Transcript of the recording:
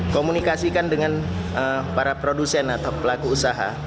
komunikasikan dengan para produsen atau pelaku usaha